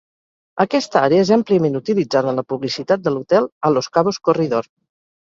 Aquesta àrea és àmpliament utilitzada en la publicitat de l'hotel a Los Cabos Corridor.